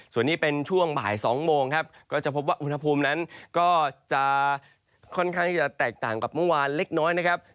ส่วนนี้เป็นช่วงบ่าย๒โมงครับก็จะพบว่าอุณหภูมินั้นก็จะค่อนข้างที่จะแตกต่างกับเมื่อวานเล็กน้อยนะครับ